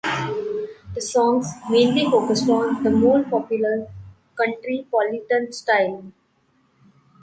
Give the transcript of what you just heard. The songs mainly focused on the more-popular Countrypolitan style.